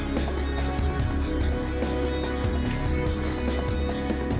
nah biarulu dibawah untuk maudie